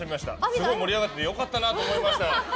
すごい盛り上がってて良かったなと思いました。